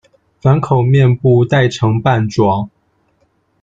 反口面步带呈瓣状。